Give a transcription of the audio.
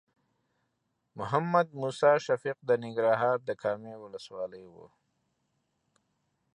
محمد موسی شفیق د ننګرهار د کامې ولسوالۍ و.